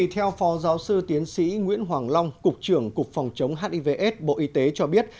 theo phó giáo sư tiến sĩ nguyễn hoàng long cục trưởng cục phòng chống hivs bộ y tế cho biết